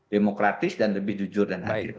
lebih demokratis dan lebih jujur dan hadir